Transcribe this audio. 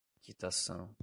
quitação